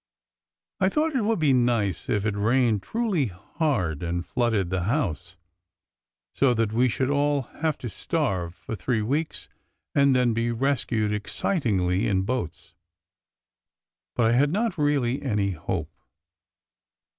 I thought it would be nice if it rained truly hard and flooded the house, so that we should all have to starve for three weeks, and then be rescued excitingly in boats ; but I had not really any hope.